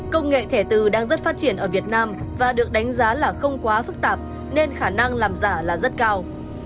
công nghệ thẻ từ đang rất phát triển ở việt nam và được đánh giá là không quá phức tạp nên khả năng làm giả là rất cao